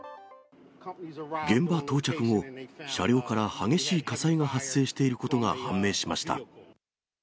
現場到着後、車両から激しい火災が発生していることが判明しました。